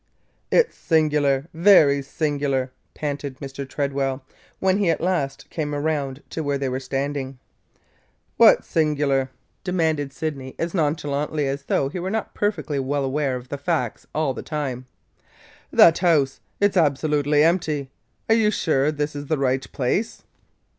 "It 's singular, very singular!" panted Mr. Tredwell, when he at last came around to where they were standing. "What 's singular?" demanded Sydney as nonchalantly as though he were not perfectly well aware of the facts all the time. "That house; it 's absolutely empty! Are you sure this is the right place?"